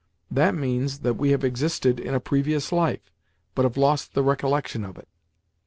That means that we have existed in a previous life, but have lost the recollection of it."